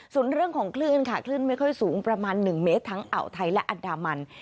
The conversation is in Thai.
ส่วนเรื่องของคลื่นค่ะคลื่นไม่ค่อยสูงประมาณ๑เมตรทั้งอ่าวไทยและอันดามัน